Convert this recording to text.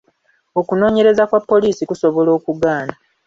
Okunoonyereza kwa puliisi kusobola okugaana.